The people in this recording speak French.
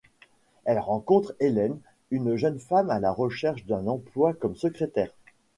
Elle rencontre Ellen, une jeune femme à la recherche d'un emploi comme secrétaire.